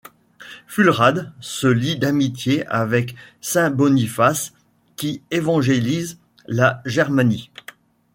Fulrad se lie d’amitié avec saint Boniface qui évangélise la Germanie.